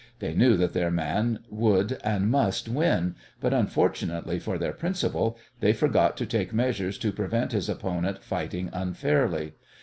They knew that their man would and must win, but, unfortunately for their principal, they forgot to take measures to prevent his opponent fighting unfairly.